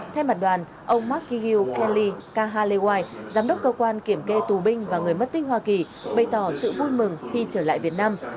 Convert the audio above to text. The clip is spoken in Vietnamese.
theo mặt đoàn ông marky gil kenley kahaleway giám đốc cơ quan kiểm kê tù binh và người mất tích hoa kỳ bày tỏ sự vui mừng khi trở lại việt nam